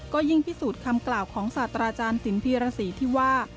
ก็ยิ่งพิสูจน์คำกล่าวของศาสตราจารย์สินพีรสีที่ว่า